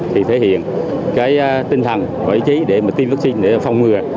thì thể hiện cái tinh thần và ý chí để mà tiêm vaccine để phòng ngừa